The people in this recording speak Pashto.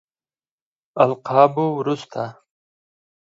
القابو وروسته.